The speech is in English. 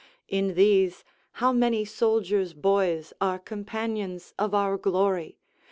In these, how many soldiers' boys are companions of our glory?